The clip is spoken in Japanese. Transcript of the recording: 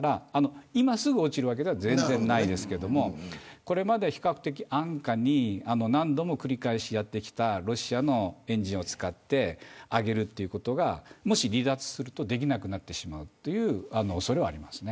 今すぐ落ちるわけでは全然ないですけどこれまで比較的安価に何度も繰り返しやってきたロシアのエンジンを使って上げるということがもし離脱するとできなくなってしまうという恐れはあります。